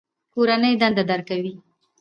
کورنۍ دنده درکوي؟